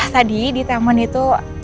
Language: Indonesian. tadi di taman itu